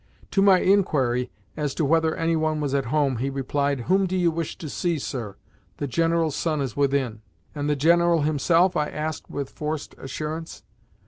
To my inquiry as to whether any one was at home he replied: "Whom do you wish to see, sir? The General's son is within." "And the General himself?" I asked with forced assurance.